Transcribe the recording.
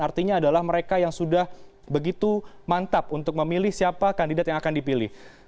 artinya adalah mereka yang sudah begitu mantap untuk memilih siapa kandidat yang akan dipilih